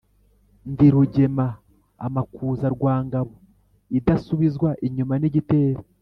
Ndi rugema amakuza rwa Ngabo idasubizwa inyuma n’igitero.